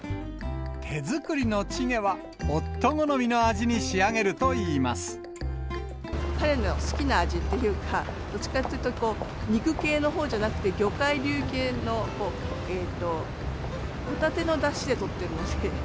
手作りのチゲは、彼の好きな味っていうか、どっちかっていうと、肉系のほうじゃなくて、魚介系のホタテのだしで取ってるので。